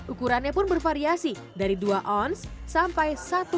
ukurannya pun bervariasi dari dua oz sampai satu oz